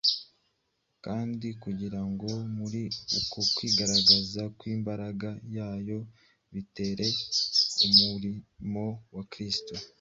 kandi kugira ngo muri uku kwigaragaza kw’imbaraga yayo bitere umurimo wa Kristo